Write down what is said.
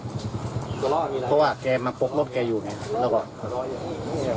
เพราะว่าแกมาปกรถแกอยู่เนี่ยครับ